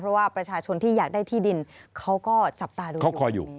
เพราะว่าประชาชนที่อยากได้ที่ดินเขาก็จับตาดูเขาคอยอยู่